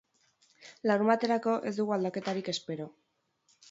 Larunbaterako ez dugu aldaketarik espero.